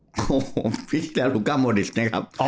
โอ้โหพี่แซลูกาโมดิสเนี่ยครับ